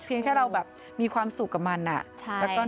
เพียงแค่เรามีความสุขกับมันแล้วก็เห็นแล้วยิ้ม